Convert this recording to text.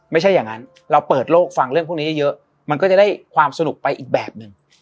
ไม่ใช่อย่างนั้นเราเปิดโลกฟังเรื่องพวกนี้เยอะมันก็จะได้ความสนุกไปอีกแบบหนึ่ง